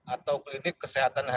atau klinik kesehatan haji